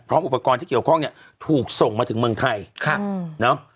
อุปกรณ์ที่เกี่ยวข้องเนี่ยถูกส่งมาถึงเมืองไทยค่ะเนอะ